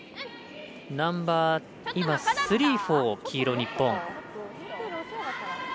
ナンバースリー、フォー黄色、日本。